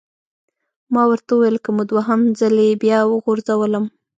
ما ورته وویل: که مو دوهم ځلي بیا وغورځولم!